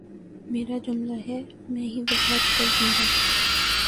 میرا جملہ ہے میں ہی وضاحت کر دوں گا